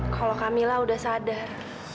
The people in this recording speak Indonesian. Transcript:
kalau kamila sudah sadar